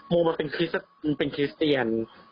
โมมันเป็นคริสเตียน